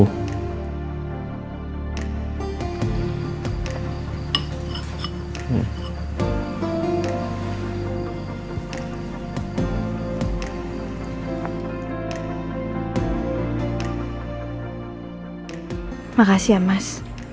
terima kasih ya mas